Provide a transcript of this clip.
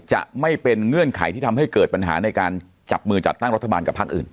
จะไม่เป็นเงื่อนไขที่ทำให้เกิดปัญหาในการจับมือจัดตั้งรัฐบาลกับพักอื่น